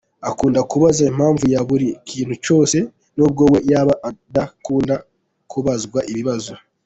Akunda kubaza impamvu ya buri kintu cyose nubwo we yaba adakunda kubazwa ibibazo.